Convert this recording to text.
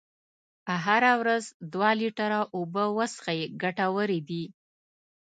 هره ورځ دوه لیتره اوبه وڅښئ ګټورې دي.